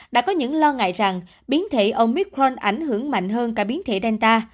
đã có những lo ngại rằng biến thể omicron ảnh hưởng đến tổ chức y tế thế giới who